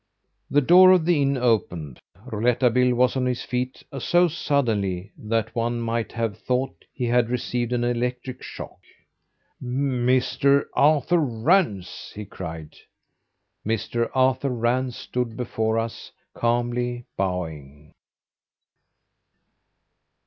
The door of the inn opened. Rouletabille was on his feet so suddenly that one might have thought he had received an electric shock. "Mr. Arthur Rance!" he cried. Mr. Arthur Rance stood before us calmly bowing.